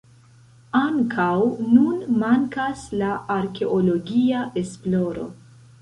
Ankaŭ nun mankas la arkeologia esploro.